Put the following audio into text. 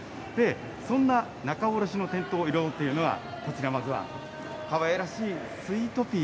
そんな仲卸の店頭を彩っているのがこちら、まずはかわいらしいスイートピー。